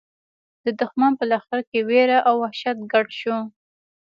د دښمن په لښکر کې وېره او وحشت ګډ شو.